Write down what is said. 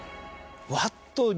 わっと。